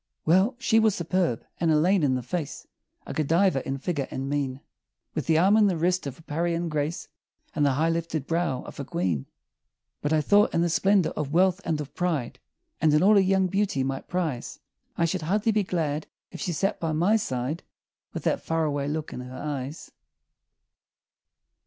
Well, she was superb an Elaine in the face, A Godiva in figure and mien, With the arm and the wrist of a Parian "Grace," And the high lifted brow of a queen; But I thought, in the splendor of wealth and of pride, And in all her young beauty might prize, I should hardly be glad if she sat by my side With that far away look in her eyes.